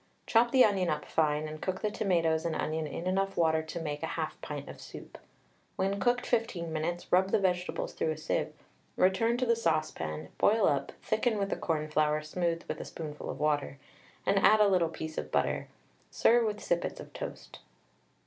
Chop the onion up fine, and cook the tomatoes and onion in enough water to make 1/2 pint of soup. When cooked 15 minutes rub the vegetables through a sieve; return to the saucepan, boil up, thicken with the cornflour smoothed with a spoonful of water, and add a little piece of butter; serve with sippets of toast.